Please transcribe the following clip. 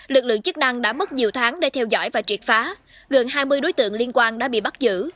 lực lượng chức năng đã mất nhiều tháng để theo dõi và triệt phá gần hai mươi đối tượng liên quan đã bị bắt giữ